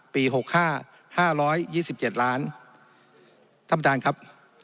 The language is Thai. หกห้าห้าร้อยยี่สิบเจ็ดล้านท่านประธานครับ